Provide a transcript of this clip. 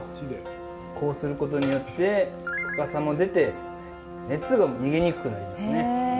こうすることによって高さも出て熱が逃げにくくなりますね。